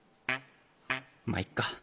まっいっか。